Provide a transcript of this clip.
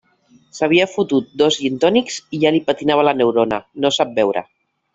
S'havia fotut dos gintònics i ja li patinava la neurona; no sap beure.